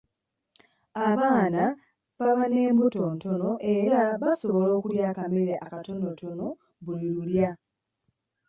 Abaana baba n'embuto ntono era basobola okulya akamere katonotono buli lulya.